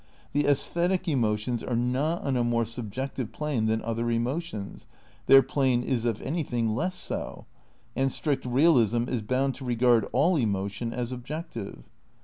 The aesthetic emotions are not on a more subjective plane than other emotions (their plane is if anything less so) ; and strict realism is bound to regard all emotion as objective.